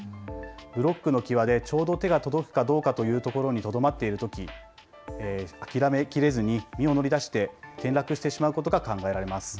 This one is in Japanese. ブロックの際でちょうど手が届くかどうかというところにとどまっているとき諦め切れずに身を乗り出して転落してしまうことが考えられます。